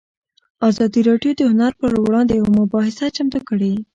ازادي راډیو د هنر پر وړاندې یوه مباحثه چمتو کړې.